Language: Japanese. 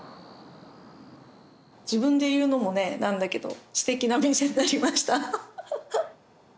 自分で言うのもねなんだけどすてきなお店になりました。